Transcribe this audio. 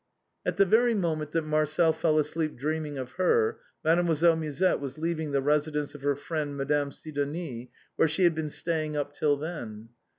At the very moment that Marcel fell asleep dreaming of her Mademoiselle Musette was leaving the residence of her friend Madame Sidonie, where she had been staying up till then.